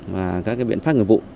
và các biện pháp người vụ